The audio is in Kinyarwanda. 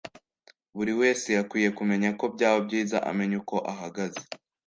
buri wese yakwiye kumenya ko byaba byiza amenye uko ahagaze”